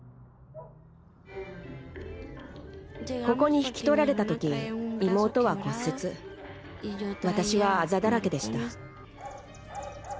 ここに引き取られた時妹は骨折私はあざだらけでした。